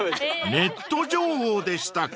［ネット情報でしたか！］